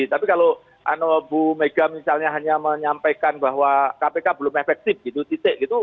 tapi kalau bu mega misalnya hanya menyampaikan bahwa kpk belum efektif gitu titik gitu